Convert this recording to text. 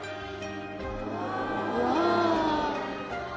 うわ。